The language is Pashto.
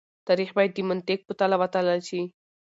تاريخ بايد د منطق په تله وتلل شي.